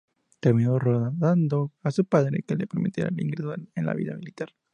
Terminó rogando a su padre que le permitiera el ingreso en la vida militar.